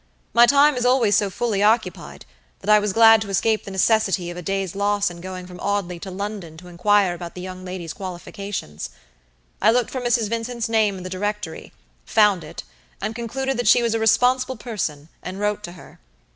My time is always so fully occupied, that I was glad to escape the necessity of a day's loss in going from Audley to London to inquire about the young lady's qualifications. I looked for Mrs. Vincent's name in the directory, found it, and concluded that she was a responsible person, and wrote to her.